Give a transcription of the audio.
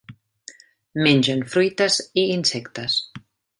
Mengen fruites i insectes.